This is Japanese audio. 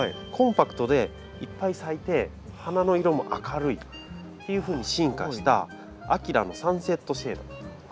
コンパクトでいっぱい咲いて花の色も明るいっていうふうに進化した‘アキラサンシェットシェード